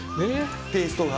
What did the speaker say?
テーストが。